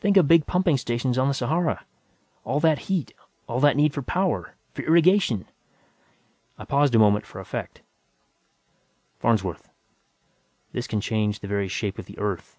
Think of big pumping stations on the Sahara! All that heat, all that need for power, for irrigation!" I paused a moment for effect. "Farnsworth, this can change the very shape of the Earth!"